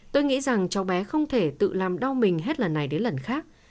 tôi nghĩ rằng cháu bé không thể tự làm đau mình hết lần này đến lần khác